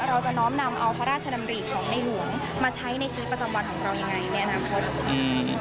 เราจะน้อมนำเอาพระราชดำริของในหลวงมาใช้ในชีวิตประจำวันของเรายังไงในอนาคต